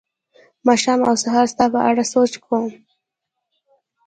ماښام او سهار ستا په اړه سوچ کوم